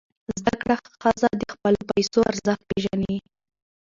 زده کړه ښځه د خپلو پیسو ارزښت پېژني.